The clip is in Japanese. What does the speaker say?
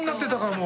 もう。